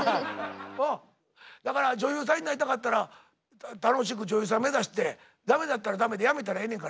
あっだから女優さんになりたかったら楽しく女優さん目指して駄目だったら駄目でやめたらええねんからやな。